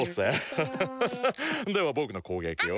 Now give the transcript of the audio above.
ハハハハではぼくのこうげきを。